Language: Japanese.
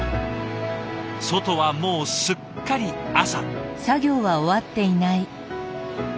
外はもうすっかり朝。